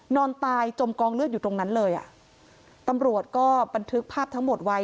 นอนตายจมกองเลือดอยู่ตรงนั้นเลยอ่ะตำรวจก็บันทึกภาพทั้งหมดไว้